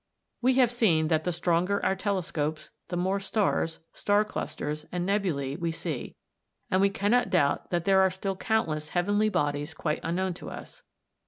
We have seen that the stronger our telescopes the more stars, star clusters, and nebulæ we see, and we cannot doubt that there are still countless heavenly bodies quite unknown to us.